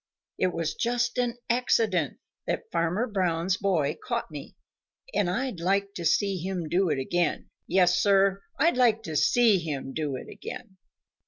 It was just an accident that Farmer Brown's boy caught me, and I'd like to see him do it again. Yes, Sir, I'd like to see him do it again!"